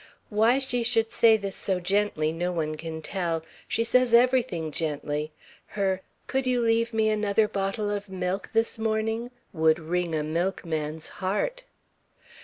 Why she should say this so gently no one can tell. She says everything gently. Her "Could you leave me another bottle of milk this morning?" would wring a milkman's heart.